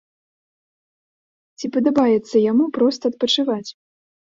Ці падабаецца яму проста адпачываць?